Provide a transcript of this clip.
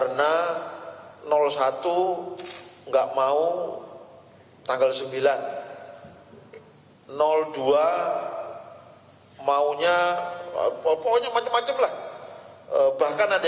penyampaian visi misi karena satu enggak mau tanggal sembilan dua maunya pokoknya macam macam lah bahkan ada